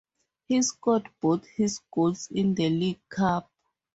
He scored both his goals in the League Cup.